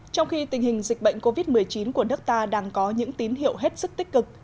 trong khi tình hình dịch bệnh covid một mươi chín của nước ta đang có những tín hiệu hết sức tích cực